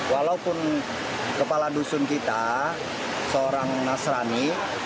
walaupun kepala dusun kita seorang nasrani